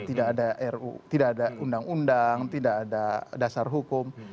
tidak ada ru tidak ada undang undang tidak ada dasar hukum